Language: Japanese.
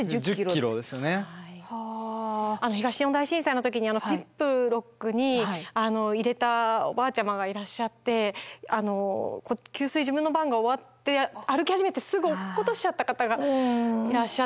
で東日本大震災の時にジップロックに入れたおばあちゃまがいらっしゃって給水自分の番が終わって歩き始めてすぐ落っことしちゃった方がいらっしゃって。